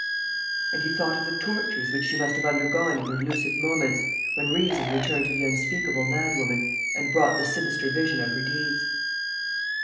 And he thought of the tortures which she must have undergone in her lucid moments, when reason returned to the unspeakable madwoman and brought the sinister vision of her deeds.